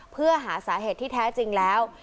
เพื่อหาสาเหตุที่แท้จริงแล้ว